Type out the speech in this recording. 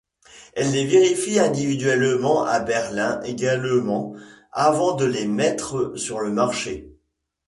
Elle les vérifie individuellement à Berlin également, avant de les mettre sur le marché.